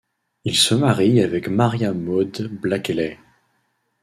Il se marie avec Maria Maude Blakeley.